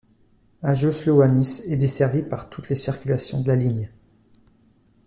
Ágios Ioánnis est desservie par toutes les circulations de la ligne.